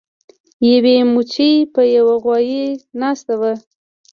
یوې مچۍ په یو غوایي ناسته وه.